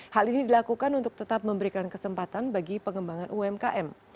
hal ini dilakukan untuk tetap memberikan kesempatan bagi pengembangan umkm